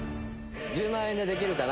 『１０万円でできるかな』